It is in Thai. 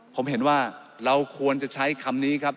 ผมเห็นว่าเราควรจะใช้คำนี้ครับ